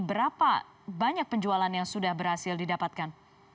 berapa banyak penjualan yang sudah berhasil didapatkan